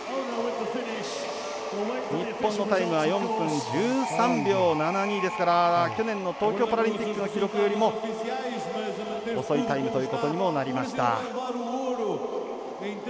日本のタイムは４分１３秒７２ですから去年の東京パラリンピックの記録よりも遅いタイムということにもなりました。